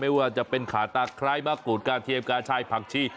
ไม่ว่าจะเป็นขาตาไคร้มะกรูดกาเทียมกาชายผักชี